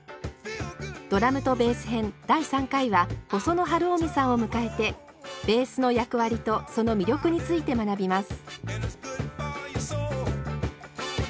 第３回は細野晴臣さんを迎えてベースの役割とその魅力について学びます。